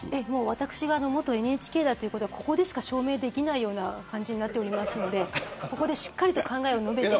私が元ＮＨＫだというのはここでしか証明できないような感じになっておりますのでここでしっかりと考えを述べて。